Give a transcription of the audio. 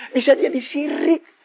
bisa jadi sirik